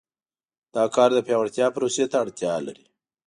دا کار د پیاوړتیا پروسې ته اړتیا لري.